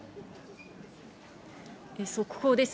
速報です。